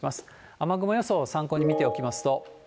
雨雲予想、参考に見ておきますと。